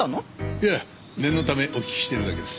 いえ念のためお聞きしてるだけです。